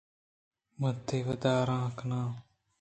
من تئی ودار ءَ کن آں۔